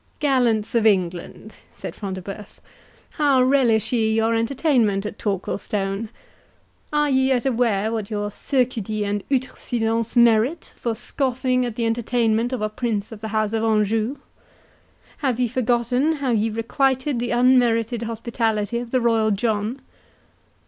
"Gallants of England," said Front de Bœuf, "how relish ye your entertainment at Torquilstone?—Are ye yet aware what your 'surquedy' and 'outrecuidance' 31 merit, for scoffing at the entertainment of a prince of the House of Anjou?—Have ye forgotten how ye requited the unmerited hospitality of the royal John?